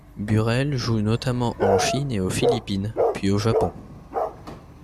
Burrell joue notamment en Chine et aux Philippines puis au Japon.